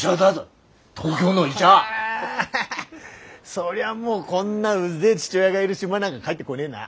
そりゃもうこんなうぜえ父親がいる島なんか帰ってこねえな。なあ？